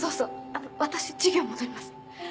あの私授業戻ります。